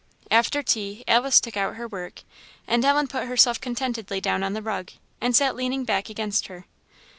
After tea, Alice took out her work, and Ellen put herself contentedly down on the rug, and sat leaning back against her.